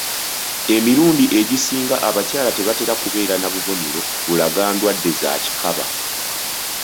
Emirundu egisinga abakyala tebatera kubeera na bubonero bulaga ndwadde za kikaba.